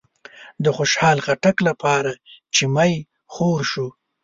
د خوشحال خټک لپاره چې می خور شو